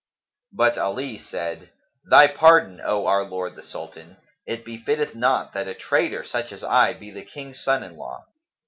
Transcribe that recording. But Ali said, "Thy pardon, O our lord the Sultan! It befitteth not that a trader such as I, be the King's son in law."